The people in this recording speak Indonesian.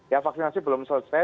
ya vaksinasi belum selesai